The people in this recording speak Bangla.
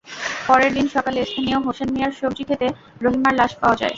পরের দিন সকালে স্থানীয় হোসেন মিয়ার সবজিখেতে রহিমার লাশ পাওয়া যায়।